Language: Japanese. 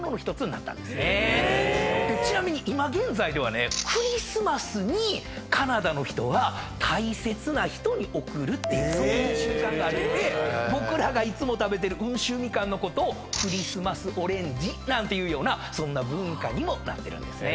ちなみに今現在ではねクリスマスにカナダの人は大切な人に贈るっていうそういう習慣があるんで僕らがいつも食べてる温州みかんのことをクリスマスオレンジなんていうようなそんな文化にもなってるんですね。